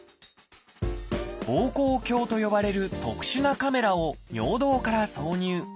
「ぼうこう鏡」と呼ばれる特殊なカメラを尿道から挿入。